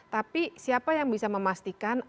tapi siapa yang bisa memastikan